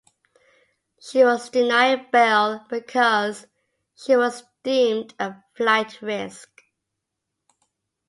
She was denied bail because she was deemed a flight risk.